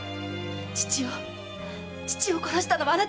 父を父を殺したのはあなた方ですね